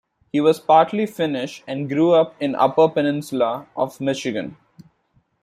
He was partly Finnish and grew up in the Upper Peninsula of Michigan.